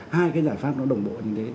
hai cái giải pháp nó đồng bộ như thế